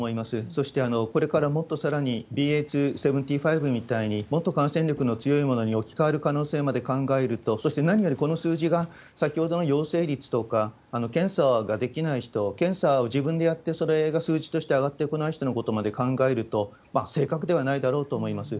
そしてこれからもっとさらにＢＡ．２．７５みたいに、もっと感染力の強いものに置き換わる可能性まで考えると、そして何よりこの数字が、先ほどの陽性率とか、検査ができない人、検査を自分でやって、それが数字として上がってこない人のことまで考えると、正確ではないだろうと思います。